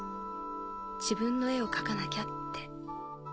自分の絵を描かなきゃって。